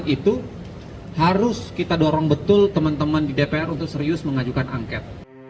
itu harus kita dorong betul teman teman di dpr untuk serius mengajukan angket